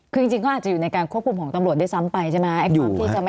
คือจริงเขาอาจจะอยู่ในการควบคุมของตำรวจด้วยซ้ำไปใช่ไหม